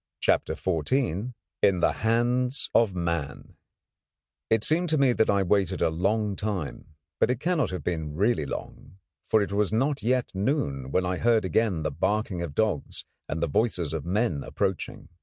CHAPTER XIV IN THE HANDS OF MAN It seemed to me that I waited a long time; but it cannot have been really long, for it was not yet noon when I heard again the barking of dogs, and the voices of men approaching.